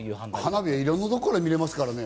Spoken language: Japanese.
花火はいろんなところで見られますからね。